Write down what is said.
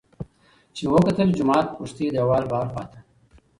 چې مې وکتل د جومات پشتۍ دېوال بهر خوا ته